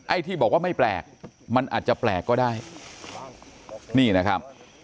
ที่บอกว่าไม่แปลกมันอาจจะแปลกก็ได้นี่นะครับ